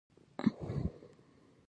دوی په افغانستان کې سړکونه جوړ کړل.